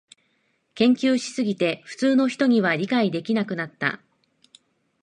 研究しすぎて普通の人には理解できなくなった